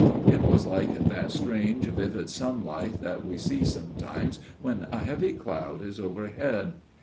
It was like that strange vivid sunlight that we see sometimes when a heavy cloud is overhead.